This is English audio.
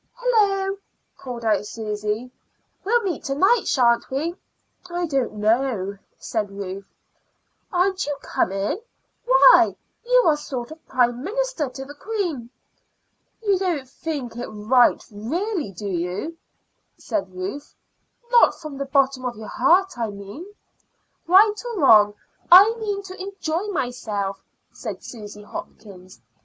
"Hullo!" called out Susy. "We'll meet to night, sha'n't we?" "I don't know," said Ruth. "Aren't you coming? Why, you are sort of Prime Minister to the queen." "You don't think it right really, do you," said Ruth "not from the bottom of your heart, I mean?" "Right or wrong, I mean to enjoy myself," said Susy Hopkins.